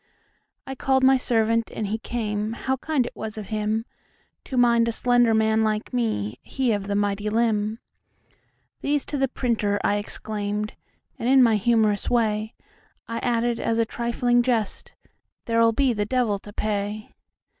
I called my servant, and he came; How kind it was of himTo mind a slender man like me, He of the mighty limb."These to the printer," I exclaimed, And, in my humorous way,I added (as a trifling jest,)"There 'll be the devil to pay."